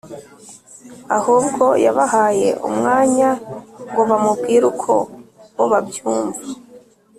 ahubwo yabahaye umwanya ngo bamubwire uko bo babyumva.